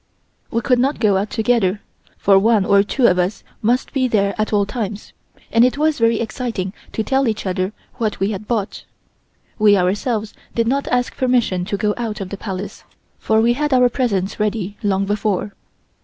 We could not go out together, for one or two of us must be there at all times, and it was very exciting to tell each other what we had bought. We ourselves did not ask permission to go out of the Palace, for we had our presents ready long before.